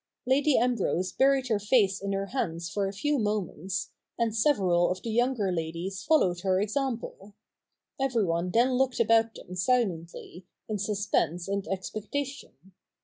Lady Ambrose buried her face in her hands for a few moments, and several of the younger ladies followed her example. Everyone then looked about them silently, in suspense and expectation.